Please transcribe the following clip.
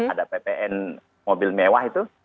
ada ppn mobil mewah itu